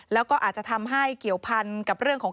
แล้วก็อาจจะทำให้เกี่ยวพันกับเรื่องของ